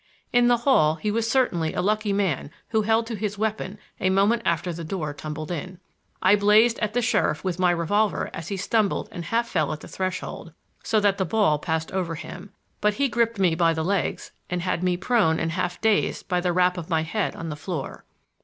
In the hall he was certainly a lucky man who held to his weapon a moment after the door tumbled in. I blazed at the sheriff with my revolver as he stumbled and half fell at the threshold, so that the ball passed over him, but he gripped me by the legs and had me prone and half dazed by the rap of my head on the floor.